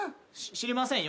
知りませんよ。